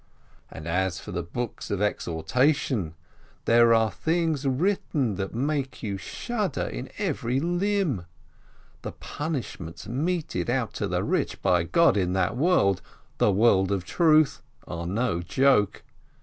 And as for the books of exhortation, there are things written that make you shudder in every limb. The punishments meted out to the rich by God in that world, the world of truth, are no joke.